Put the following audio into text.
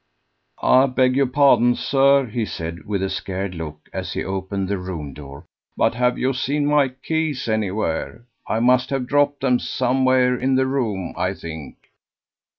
"I beg your pardon, sir," he said, with a scared look, as he opened the room door, "but have you seen my keys anywhere? I must have dropped them somewhere in the room, I think."